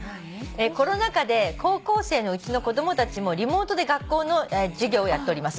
「コロナ禍で高校生のうちの子供たちもリモートで学校の授業をやっております」